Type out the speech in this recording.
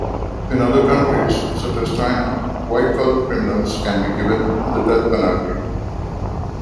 In other countries, such as China, white-collar criminals can be given the death penalty.